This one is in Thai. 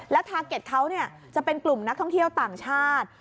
แล้วทาเก็ตเขาจะเป็นกลุ่มนักท่องเที่ยวต่างชาติ